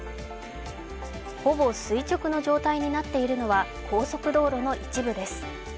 ほぼ垂直の状態になっているのは高速道路の一部です。